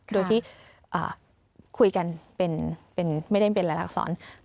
โดยที่คุยกันไม่ได้เป็นรายลักษร